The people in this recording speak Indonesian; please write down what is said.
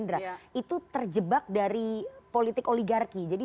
itu terjebak dari politik oligarki jadi terjebak dari politik oligarki jadi